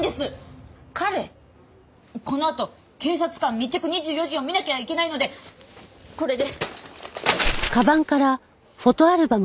このあと『警察官密着２４時』を見なきゃいけないのでこれで。